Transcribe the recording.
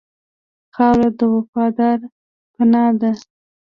خاوره وفاداره پناه ده.